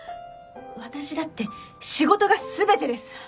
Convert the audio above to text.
私だって仕事が全てです！